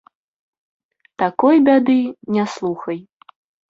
Такой бяды, не слухай.